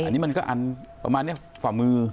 แต่อันนี้ประมาณฝ่ามือ